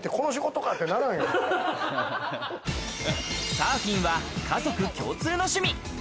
サーフィンは家族共通の趣味。